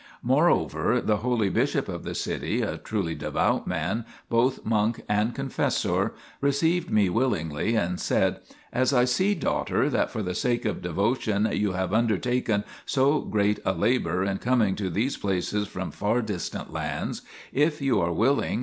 Moreover, the holy bishop of the city, a truly devout man, both monk and confessor, received me willingly and said :" As I see, daughter, that for the sake of devotion you have undertaken so great a labour in coming to these places from far distant lands, if you are willing, we 1 Bathnse in Osrhoene (Bernard).